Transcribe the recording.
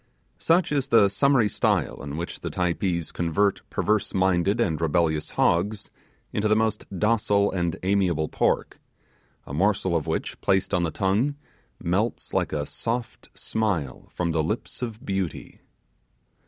Such is the summary style in which the Typees convert perverse minded and rebellious hogs into the most docile and amiable pork; a morsel of which placed on the tongue melts like a soft smile from the lips of Beauty.